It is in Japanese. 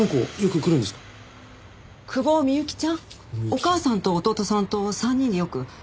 お母さんと弟さんと３人でよく。